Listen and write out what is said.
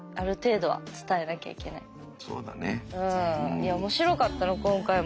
いや面白かったな今回も。